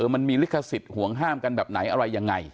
มันมีลิขสิทธิ์ห่วงห้ามกันแบบไหนอะไรยังไง